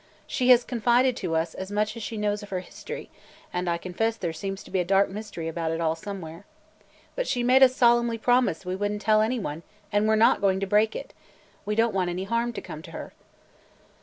She has confided to us as much as she knows of her history, and I confess there seems to be a dark mystery about it all somewhere. But she made us solemnly promise we would n't tell any one and we 're not going to break it. We don't want harm to come to her."